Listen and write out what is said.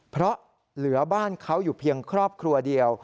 เพราะเหลือบ้านเขาอยู่เพียงครอบครัวเดียว